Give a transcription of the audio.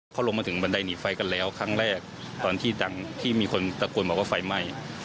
พอลงมาถึงบันไดหนีไฟกันแล้วครั้งแรกตอนที่ดังที่มีคนตะโกนบอกว่าไฟไหม้